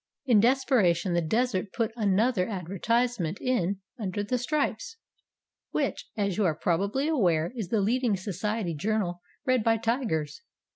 In desperation the Desert put another advertise ment in "Under the Stripes," which, as you are prob ably aware, is the leading society journal read by tigers.